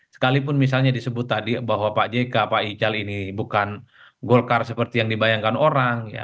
sekalipun misalnya disebut tadi bahwa pak jk pak ical ini bukan golkar seperti yang dibayangkan orang